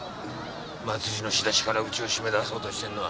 祭りの仕出しからうちを締め出そうとしてるのは。